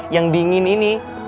yang dingin ini